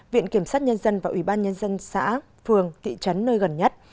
viện kiểm sát nhân dân và ủy ban nhân dân xã phường thị trấn nơi gần nhất